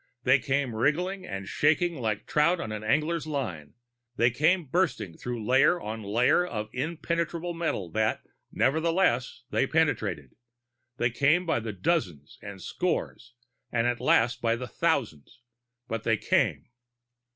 They came wriggling and shaking, like trout on an angler's line. They came bursting through layer on layer of impenetrable metal that, nevertheless, they penetrated. They came by the dozens and scores, and at last by the thousands; but they came.